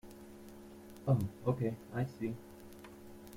Oh okay, I see.